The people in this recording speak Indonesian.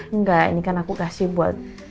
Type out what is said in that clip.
enggak ini kan aku kasih buat